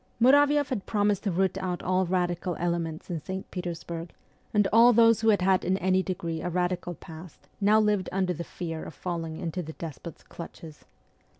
Muravioff had promised to root out all radical elements in St. Petersburg, and all those who had had in any degree a radical past now lived under the fear of falling into the despot's clutches.